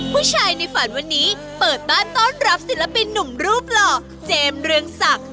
ผู้ชายในฝันวันนี้เปิดบ้านต้อนรับศิลปินหนุ่มรูปหล่อเจมส์เรืองศักดิ์